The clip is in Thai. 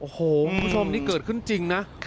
โอ้โหคุณผู้ชมนี่เกิดขึ้นจริงนะ